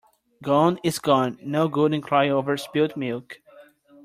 Gone is gone. No good in crying over spilt milk.